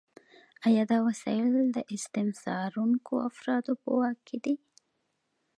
آیا دا وسایل د استثمارونکو افرادو په واک کې دي؟